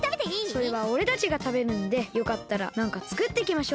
それはおれたちがたべるんでよかったらなんかつくってきましょうか？